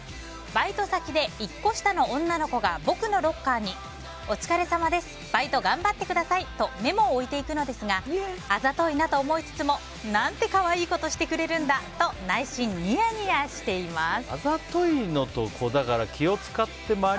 バイト先で１個下の女の子が僕のロッカーにお疲れさまですバイト頑張ってくださいとメモを置いていくのですがあざといなと思いつつも何て可愛いことしてくれるんだと内心、ニヤニヤしています。